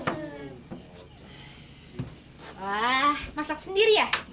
wah masak sendiri ya